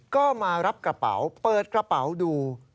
ก็มารับกระเป๋าเปิดกระเป๋าดู